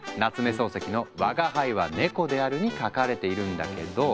漱石の「吾輩は猫である」に書かれているんだけど。